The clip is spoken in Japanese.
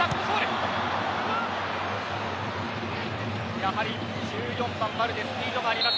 やはり１４番バルデスピードがあります。